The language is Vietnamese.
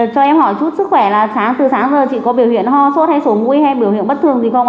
cho em hỏi chút sức khỏe là từ sáng giờ chị có biểu hiện ho sốt hay sổ nguôi hay biểu hiện bất thường gì không ạ